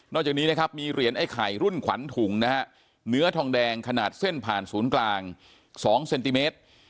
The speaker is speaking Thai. จากนี้นะครับมีเหรียญไอ้ไข่รุ่นขวัญถุงนะฮะเนื้อทองแดงขนาดเส้นผ่านศูนย์กลาง๒เซนติเมตร